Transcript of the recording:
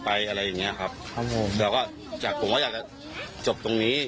อะไรอย่างเงี้ยครับครับผมแล้วก็จากผมก็อยากจะจบตรงนี้